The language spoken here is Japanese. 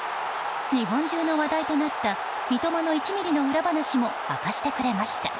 日本中の話題となった三笘の１ｍｍの裏話も明かしてくれました。